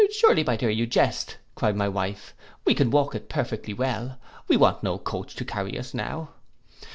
—'Surely, my dear, you jest,' cried my wife, 'we can walk it perfectly well: we want no coach to carry us now.